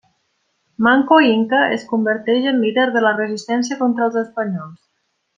Manco Inca es converteix en líder de la resistència contra els espanyols.